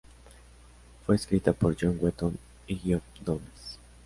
Fue escrita por John Wetton y Geoff Downes.